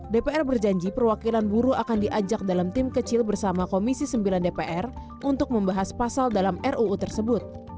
dpr berjanji perwakilan buruh akan diajak dalam tim kecil bersama komisi sembilan dpr untuk membahas pasal dalam ruu tersebut